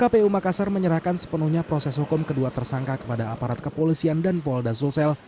kpu makassar menyerahkan sepenuhnya proses hukum kedua tersangka kepada aparat kepolisian dan polda sulsel